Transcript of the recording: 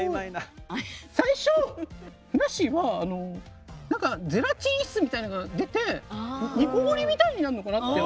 最初ふなっしーはなんかゼラチン質みたいなのが出て煮こごりみたいになるのかなって。